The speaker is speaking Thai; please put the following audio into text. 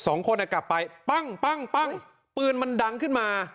สองคนกลับไปปั้งปั้งปั้งปืนมันดังขึ้นมา